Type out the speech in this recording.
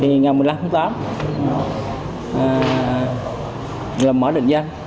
thì ngày một mươi năm tháng tám là mở định danh